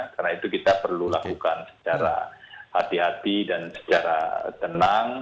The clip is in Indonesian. karena itu kita perlu lakukan secara hati hati dan secara tenang